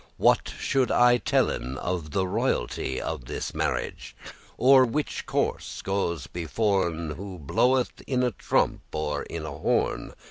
What should I tellen of the royalty Of this marriage, or which course goes beforn, Who bloweth in a trump or in an horn?